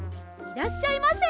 いらっしゃいませ！